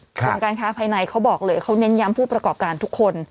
กรมการค้าภายในเขาบอกเลยเขาเน้นย้ำผู้ประกอบการทุกคน